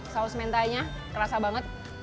saus mentainya terasa banget